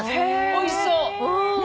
おいしそう。